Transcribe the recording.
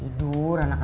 tidur anak anak ya